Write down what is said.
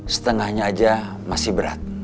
setengahnya aja masih berat